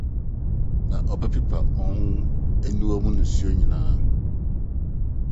Na ɔbɛpopa wɔn aniwam nusu nyinaa.